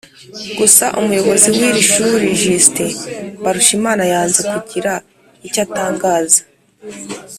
Gusa umuyobozi w’iri shuri Justin Mbarushimana yanze kugira icyo atangaza